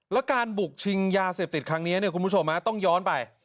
แล้วการบุกชิงยาเสพติดครั้งนี้คุณผู้ชมต้องย้อนไป